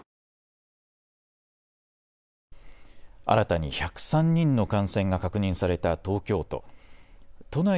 新たに１０３人の感染が確認された東京都。